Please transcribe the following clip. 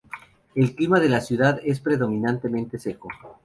El clima de la ciudad es predominantemente seco.